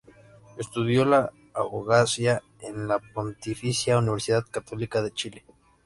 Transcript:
Estudió la abogacía en la Pontificia Universidad Católica de Chile.